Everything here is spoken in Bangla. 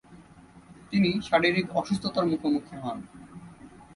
তিনি শারীরিক অসুস্থতার মুখোমুখি হন।